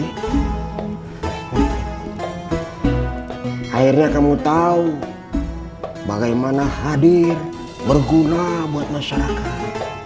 akhirnya kamu tahu bagaimana hadir berguna buat masyarakat